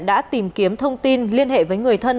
đã tìm kiếm thông tin liên hệ với người thân